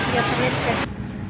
dari depan kan